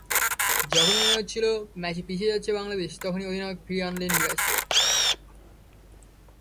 যখনই মনে হচ্ছিল ম্যাচে পিছিয়ে যাচ্ছে বাংলাদেশ, তখনই অধিনায়ক ফিরিয়ে আনলেন মিরাজকে।